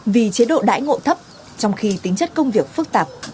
vì chế độ đãi ngộ thấp trong khi tính chất công việc phức tạp